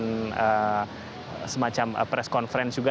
untuk juga memberikan semacam press conference juga